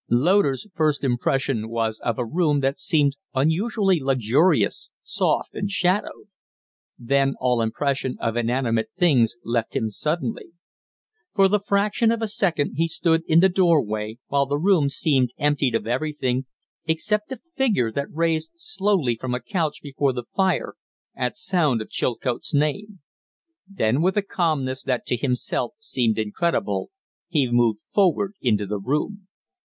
Loder's first impression was of a room that seemed unusually luxurious, soft, and shadowed. Then all impression of inanimate things left him suddenly. For the fraction of a second he stood in the door way, while the room seemed emptied of everything, except a figure that rose slowly from a couch before the fire at sound of Chilcote's name; then, with a calmness that to himself seemed incredible, he moved forward into the room.